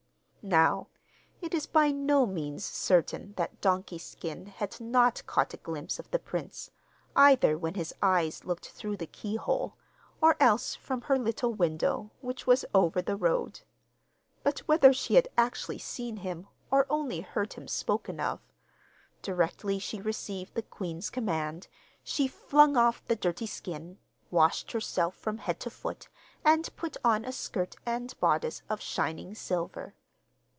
Now it is by no means certain that 'Donkey Skin' had not caught a glimpse of the prince, either when his eyes looked through the keyhole, or else from her little window, which was over the road. But whether she had actually seen him or only heard him spoken of, directly she received the queen's command, she flung off the dirty skin, washed herself from head to foot, and put on a skirt and bodice of shining silver.